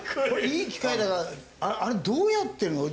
いい機会だからあれどうやってるの？